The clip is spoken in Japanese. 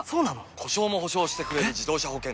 故障も補償してくれる自動車保険といえば？